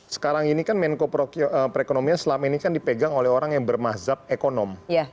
sekarang ini kan menko perekonomian selama ini kan dipegang oleh orang yang bermazhab ekonom